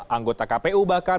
anggota kpu bahkan